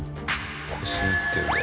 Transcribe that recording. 腰打ってるね。